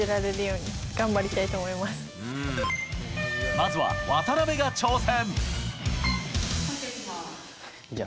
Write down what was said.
まずは渡辺が挑戦！